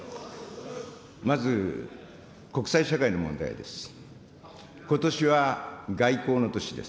まず、国際社会の問題です。